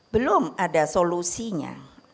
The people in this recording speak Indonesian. belum ada solusinya